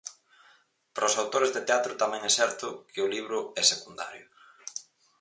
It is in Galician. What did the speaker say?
Para os autores de teatro tamén é certo que o libro é secundario.